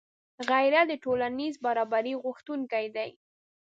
غیرت د ټولنیز برابري غوښتونکی دی